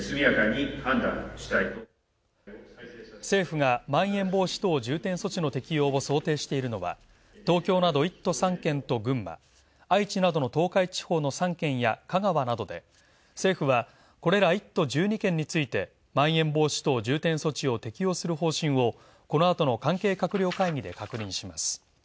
政府が、まん延防止等重点措置の適用を想定しているのは東京など１都３県と群馬、愛知などの東海地方の３県や香川などで、政府はこれら１都１２県についてまん延防止等重点措置を適用する方針をこの後の関係閣僚会議で確認します。